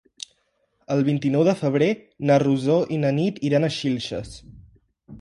El vint-i-nou de febrer na Rosó i na Nit iran a Xilxes.